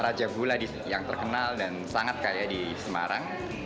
raja gula yang terkenal dan sangat karya di semarang